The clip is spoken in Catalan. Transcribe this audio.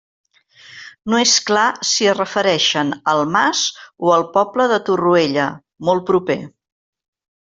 No és clar si es refereixen al mas o al poble de Torroella, molt proper.